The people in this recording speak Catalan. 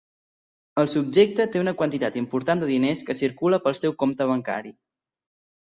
El subjecte té una quantitat important de diners que circula pel seu compte bancari.